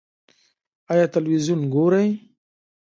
ایا تلویزیون ګورئ؟